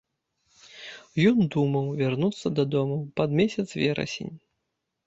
Ён думаў вярнуцца дадому пад месяц верасень.